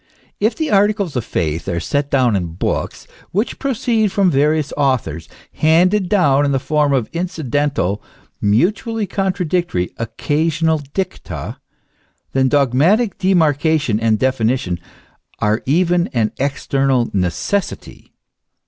If the articles of faith are set down in books which proceed from various authors, handed down in the form of incidental, mutually contradictory, occasional dicta, then dogmatic de marcation and definition are even an external necessity.